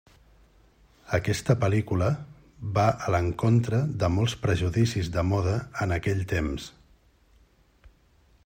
Aquesta pel·lícula va a l'encontre de molts prejudicis de moda en aquell temps.